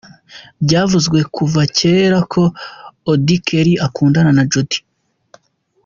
Byavuzwe kuva kera ko Auddy Kelly akundana na Jody.